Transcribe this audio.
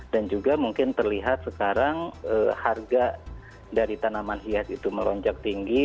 dan juga mungkin terlihat sekarang harga dari tanaman hias itu melonjak tinggi